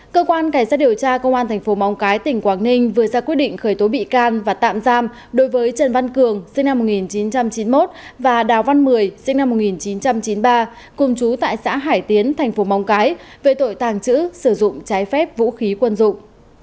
cơ quan cảnh sát điều tra công an thành phố móng cái tỉnh quảng ninh vừa ra quyết định khởi tố bị can và tạm giam đối với trần văn cường và đào văn mười cùng chú tại xã hải tiến thành phố móng cái về tội tàng trữ sử dụng trái phép vũ khí quân dụng